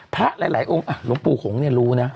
พระหลายองค์หลวงปู่หงษ์เนี่ยรู้นะ